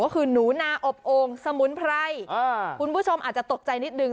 ก็คือหนูนาอบโอ่งสมุนไพรคุณผู้ชมอาจจะตกใจนิดนึง